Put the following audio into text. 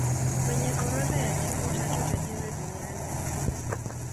kwenye orodha ya timu tatu tajiri duniani